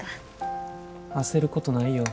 焦ることないよ。